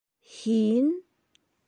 Һин...